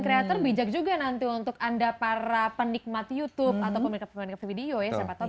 creator bijak juga nanti untuk anda para penikmat youtube atau pemerintah pemerintah video ya siapa